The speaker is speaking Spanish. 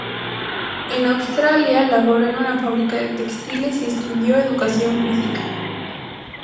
En Australia laboró en una fábrica de textiles y estudió Educación Física.